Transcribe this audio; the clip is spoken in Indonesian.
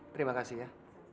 terima kasih ya